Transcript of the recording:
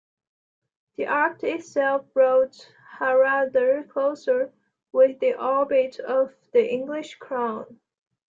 The act itself brought Haraldr closer within the orbit of the English Crown.